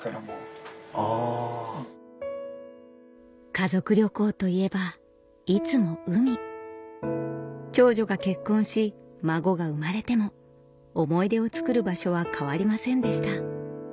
家族旅行といえばいつも海長女が結婚し孫が生まれても思い出をつくる場所は変わりませんでした